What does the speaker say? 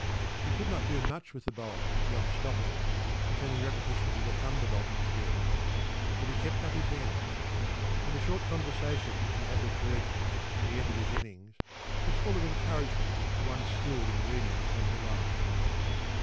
He could not do much with the bowling beyond stopping it and feeling repetitions of the thunderbolt experience, but he kept up his end; and a short conversation which he had with Burgess at the end of his innings was full of encouragement to one skilled in reading between the lines.